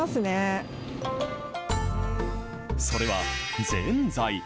それは、ぜんざい。